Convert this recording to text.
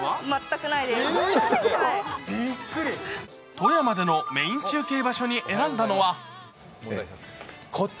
外山でのメイン中継場所に選んだのはこっち